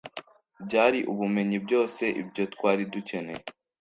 byari ubumenyi byose, ibyo twari dukeneye